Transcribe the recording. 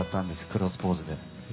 クロスポーズで。